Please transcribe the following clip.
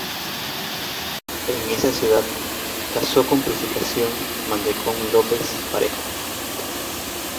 En esa ciudad casó con Purificación Mantecón López-Parejo.